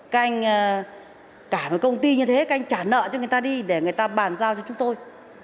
các anh cả một công ty như thế các anh trả nợ cho người ta đi để người ta bàn giao cho chúng tôi